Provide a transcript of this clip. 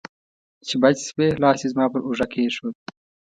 چې بچ شوې، لاس یې زما پر اوږه کېښود.